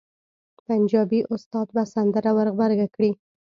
پنجابي استاد به سندره ور غبرګه کړي.